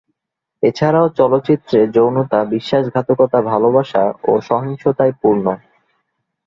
এছাড়াও চলচ্চিত্রে যৌনতা, বিশ্বাসঘাতকতা, ভালবাসা ও সহিংসতায় পরিপূর্ণ।